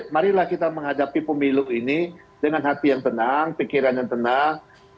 marilah kita menghadapi pemilu ini dengan hati yang tenang pikiran yang tenang